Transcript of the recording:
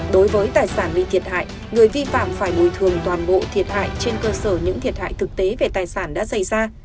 đối với tài sản bị thiệt hại người vi phạm phải bồi thường toàn bộ thiệt hại trên cơ sở những thiệt hại thực tế về tài sản đã xảy ra